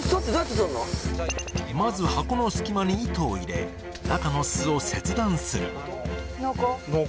まず箱の隙間に糸を入れ中の巣を切断する濃厚？